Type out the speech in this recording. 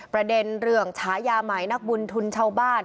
ประเด็นเรื่องฉายาใหม่นักบุญทุนชาวบ้าน